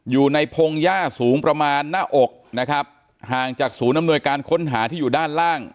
พงหญ้าสูงประมาณหน้าอกนะครับห่างจากศูนย์อำนวยการค้นหาที่อยู่ด้านล่าง